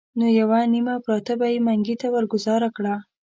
نو یوه نیمه پراټه به یې منګي ته ورګوزاره کړه.